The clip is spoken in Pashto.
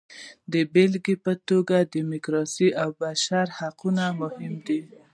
د بېلګې په توګه ډیموکراسي او بشري حقونه مهم دي.